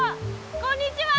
こんにちは！